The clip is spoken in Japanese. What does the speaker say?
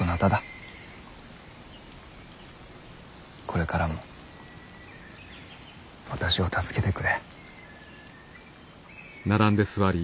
これからも私を助けてくれ。